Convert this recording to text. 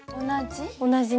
同じ？